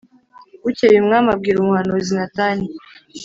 Bukeye umwami abwira umuhanuzi Natani